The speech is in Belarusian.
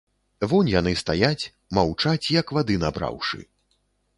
Вунь яны стаяць, маўчаць, як вады набраўшы.